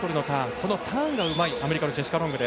このターンがうまいアメリカのジェシカ・ロング。